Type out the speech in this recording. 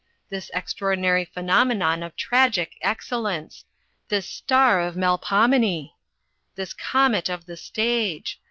This extraordinary phenomenon of tragic excellence! this star of Melpomene! this comet of the stage!